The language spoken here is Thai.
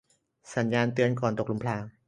สัญญาณเตือนก่อนตกหลุมพราง